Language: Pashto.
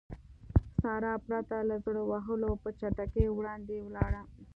سارا پرته له زړه وهلو په چټکۍ وړاندې ولاړه.